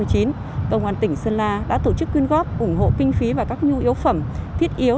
công an tỉnh sơn la đã tổ chức quyên góp ủng hộ kinh phí và các nhu yếu phẩm thiết yếu